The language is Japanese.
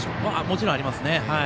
もちろん、ありますね。